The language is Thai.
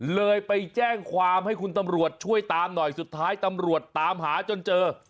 เลยไปแจ้งความให้คุณตำรวจช่วยตามหน่อยสุดท้ายตำรวจตามหาจนเจอ